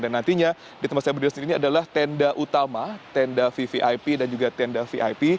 dan nantinya di tempat saya berdiri disini adalah tenda utama tenda vvip dan juga tenda vip